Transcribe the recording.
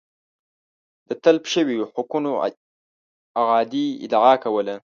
د تلف شویو حقونو اعادې ادعا کوله